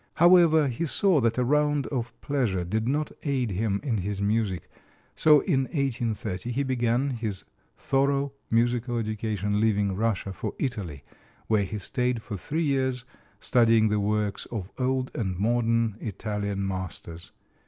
However, he saw that a round of pleasure did not aid him in his music, so in 1830 he began his thorough musical education, leaving Russia for Italy, where he stayed for three years studying the works of old and modern Italian masters.